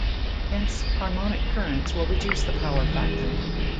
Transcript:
Hence, harmonic currents will reduce the power factor.